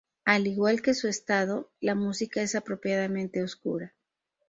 Al igual que su estado, la música es apropiadamente oscura.